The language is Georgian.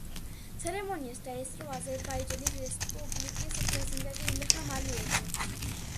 ცერემონიას დაესწრო აზერბაიჯანის რესპუბლიკის პრეზიდენტი ილჰამ ალიევი.